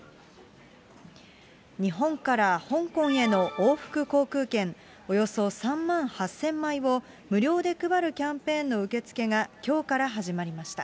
日本から香港への往復航空券、およそ３万８０００枚を無料で配るキャンペーンの受け付けがきょうから始まりました。